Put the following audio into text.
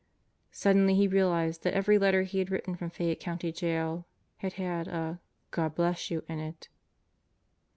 Suddenly he realized that every letter he had written from Fayette County Jail had had a "God bless you" in it.